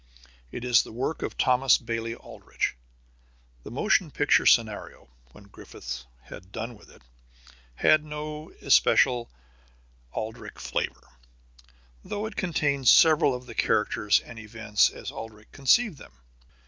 It is the work of Thomas Bailey Aldrich. The motion picture scenario, when Griffith had done with it, had no especial Aldrich flavor, though it contained several of the characters and events as Aldrich conceived them.